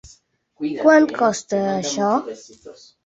Quant costa això?